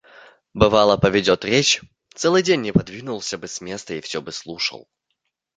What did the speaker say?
Бывало, поведет речь – целый день не подвинулся бы с места и всё бы слушал.